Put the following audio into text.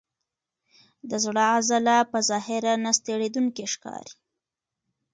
د زړه عضله په ظاهره نه ستړی کېدونکې ښکاري.